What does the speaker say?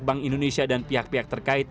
bank indonesia dan pihak pihak terkait